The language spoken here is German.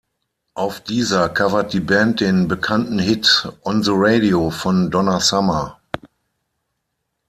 Auf dieser covert die Band den bekannten Hit "On the Radio" von Donna Summer.